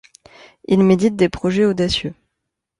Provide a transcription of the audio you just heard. Il médite des projets audacieux.